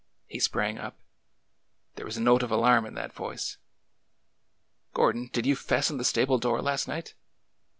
He sprang up. There was a note of alarm in that voice. '' Gordon, did vou fasten the stable door last night